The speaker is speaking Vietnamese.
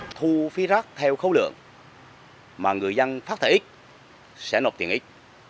thu phí rác theo khối lượng mà người dân phát thải ít sẽ nộp tiền ít